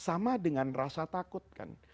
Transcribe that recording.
sama dengan rasa takut kan